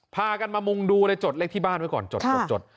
พากันมามุงดูเลยจดเลขที่บ้านไว้ก่อนจดจด